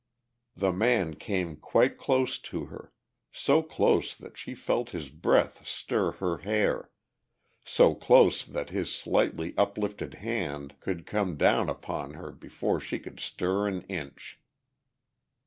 The man came quite close to her, so close that she felt his breath stir her hair, so close that his slightly uplifted hand could come down upon her before she could stir an inch.